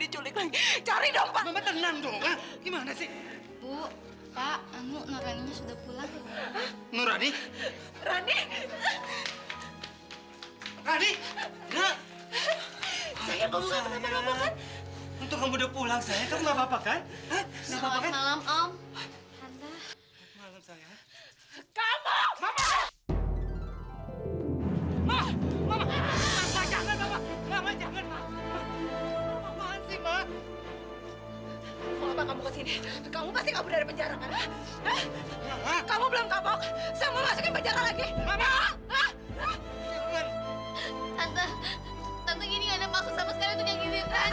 jadi jadi mama benar benar mau emosi rani